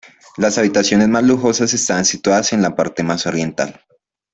Las habitaciones más lujosas estaban situadas en la parte más oriental.